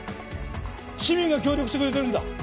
市民が協力してくれてるんだ。